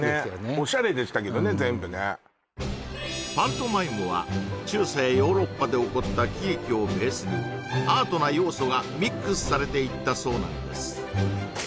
オシャレでしたけどね全部パントマイムは中世ヨーロッパでおこった喜劇をベースにアートな要素がミックスされていったそうなんです